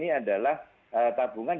ini adalah eee tabungan yang mantan